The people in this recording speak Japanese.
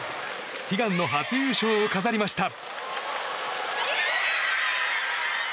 悲願の初優勝を飾りました。